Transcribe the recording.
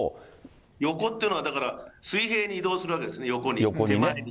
横っていうのはだから水平に移動するわけですね、横に、手前に。